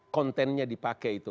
kontennya dipakai itu